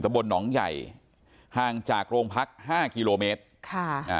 บนหนองใหญ่ห่างจากโรงพักห้ากิโลเมตรค่ะอ่า